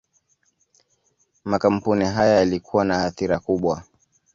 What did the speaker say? Makampuni haya yalikuwa na athira kubwa.